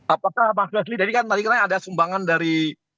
apakah mas wesley tadi kan tadi kita ada sumbangan dari